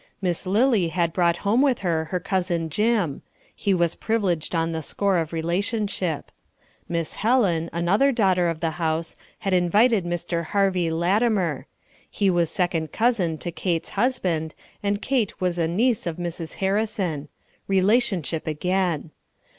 Miss Lily had brought home with her her cousin Jim; he was privileged on the score of relationship. Miss Helen, another daughter of the house, had invited Mr. Harvey Latimer; he was second cousin to Kate's husband, and Kate was a niece of Mrs. Harrison; relationship again.